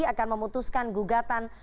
akan memutuskan gugatan